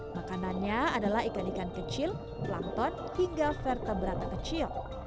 makanannya adalah ikan ikan kecil plankton hingga vertebrata kecil